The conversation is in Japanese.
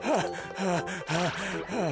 はあはあはあ。